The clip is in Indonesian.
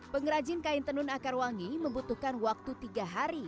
pengrajin kain tenun akar wangi membutuhkan waktu tiga hari